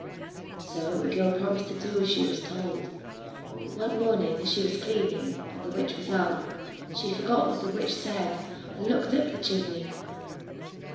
So the girl promised to do as she was told, but one morning as she was cleaning, and the witch was out, she forgot what the witch said, and looked up the chimney.